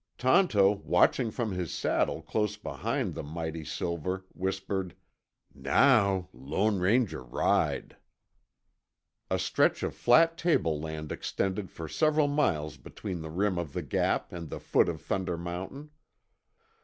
Tonto, watching from his saddle close behind the mighty Silver, whispered, "Now Lone Ranger ride." A stretch of flat tableland extended for several miles between the rim of the Gap and the foot of Thunder Mountain.